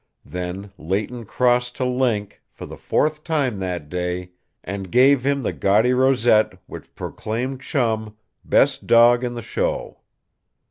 Then Leighton crossed to Link, for the fourth time that day, and gave him the gaudy rosette which proclaimed Chum "best dog in the show."